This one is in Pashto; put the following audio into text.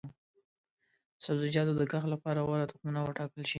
د سبزیجاتو د کښت لپاره غوره تخمونه وټاکل شي.